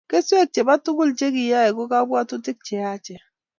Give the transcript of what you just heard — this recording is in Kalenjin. Keswek chebo tuguk chekiyoe ko kabwatutik cheyachen